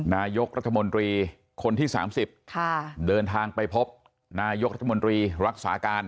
นายกรัฐมนตรีคนที่๓๐เดินทางไปพบนายกรัฐมนตรีรักษาการ